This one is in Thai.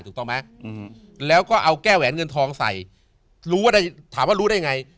ถูกต้องไหมแล้วก็เอาแก้แหวนเงินทองใส่ถามว่ารู้ได้ยังไง